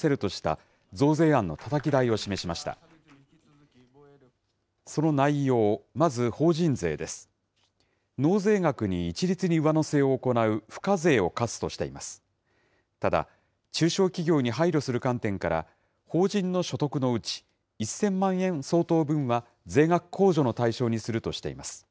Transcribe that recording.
ただ、中小企業に配慮する観点から、法人の所得のうち１０００万円相当分は、税額控除の対象にするとしています。